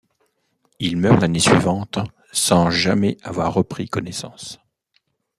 Il meurt l'année suivante sans jamais avoir repris connaissance.